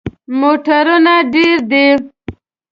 موټرونه ډیر دي